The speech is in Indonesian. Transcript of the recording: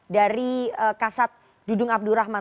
dari kasat dudung abdurrahman